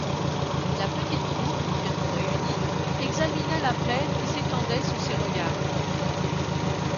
La petite troupe, bientôt réunie, examina la plaine qui s’étendait sous ses regards.